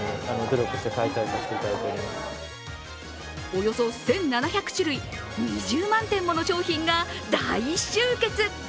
およそ１７００種類２０万点もの商品が大集結。